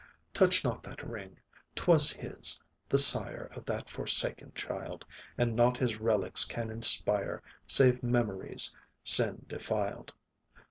Touch not that ring; 'twas his, the sire Of that forsaken child; And nought his relics can inspire Save memories, sin defiled.